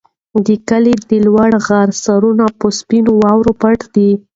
د کلي د لوړ غره سرونه په سپینو واورو پټ دي.